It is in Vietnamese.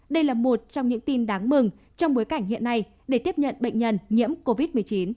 đây là một trong những tin đáng mừng trong bối cảnh hiện nay để tiếp nhận bệnh nhân nhiễm covid một mươi chín